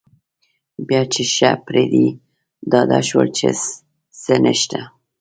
بیا چې ښه پر دې ډاډه شول چې څه نشته.